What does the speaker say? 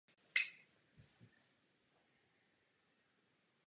Ve filmech se ujal důležitých rolí a postav.